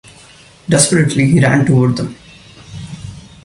Desperately he ran toward them.